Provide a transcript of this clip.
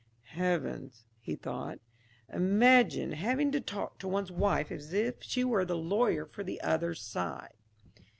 "Heavens," he thought, "imagine having to talk to one's wife as if she were the lawyer for the other side."